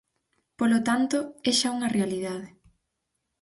Polo tanto, é xa unha realidade.